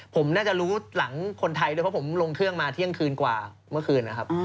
ผมน่าจะรู้หลังคนไทยด้วยเพราะผมลงเครื่องมาเที่ยงคืนกว่าเมื่อคืนนะครับ